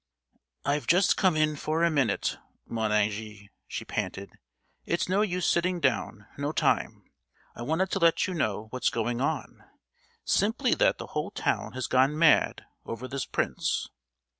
"I've just come in for a minute, mon ange," she panted; "it's no use sitting down—no time! I wanted to let you know what's going on, simply that the whole town has gone mad over this prince.